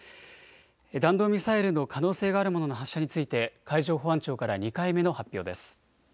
弾道ミサイルの可能性があるものの発射について海上保安庁から２回目の発表です。